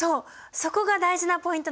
そこが大事なポイントなの！